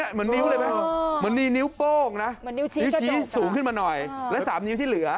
เหมือนนิ้วโป้งนะนิ้วชี้สูงขึ้นมาหน่อยแล้วสามนิ้วที่เหลือ